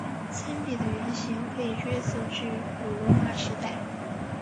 铅笔的原型可以追溯至古罗马时代。